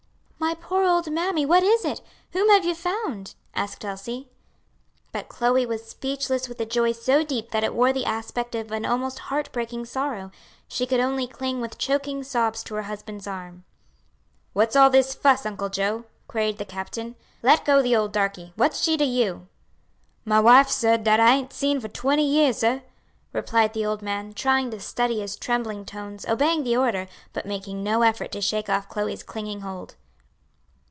"My poor old mammy, what is it? whom have you found?" asked Elsie. But Chloe was speechless with a joy so deep that it wore the aspect of an almost heart breaking sorrow. She could only cling with choking sobs to her husband's arm. "What's all this fuss, Uncle Joe?" queried the captain. "Let go the old darkie; what's she to you?" "My wife, sah, dat I ain't seed for twenty years, sah," replied the old man, trying to steady his trembling tones, obeying the order, but making no effort to shake off Chloe's clinging hold.